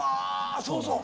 そうそう！